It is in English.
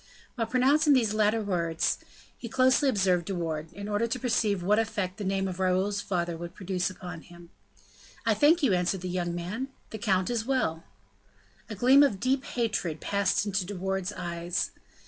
While pronouncing these latter words, he closely observed De Wardes, in order to perceive what effect the name of Raoul's father would produce upon him. "I thank you," answered the young man, "the count is very well." A gleam of deep hatred passed into De Wardes's eyes.